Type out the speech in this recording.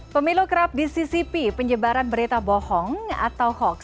pemilu kerap di ccp penyebaran berita bohong atau hoax